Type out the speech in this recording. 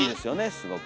すごく。